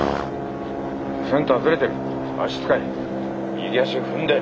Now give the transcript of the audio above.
右足踏んで。